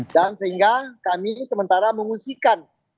dan sehingga kami sementara mengusikan